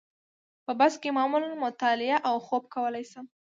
په بس کې معمولاً مطالعه او خوب کولای شم.